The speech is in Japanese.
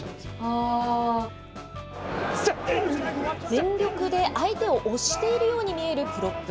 全力で相手を押しているように見えるプロップ。